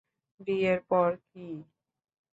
বিয়ের পর, - কি?